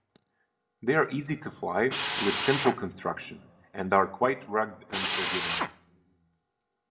They are easy to fly, with simple construction, and are quite rugged and forgiving.